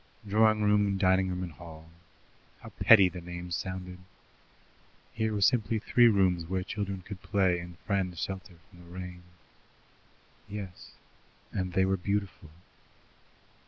Drawing room, dining room, and hall how petty the names sounded! Here were simply three rooms where children could play and friends shelter from the rain. Yes, and they were beautiful.